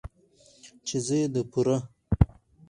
،چې زه يې د پوره